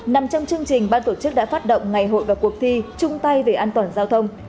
nằm trong chương trình ban tổ chức đã phát động ngày hội và cuộc thi trung tay về an toàn giao thông